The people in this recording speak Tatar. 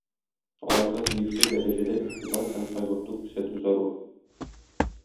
Аларга тиешле дәрәҗәдә игътибар һәм кайгырту күрсәтү зарур.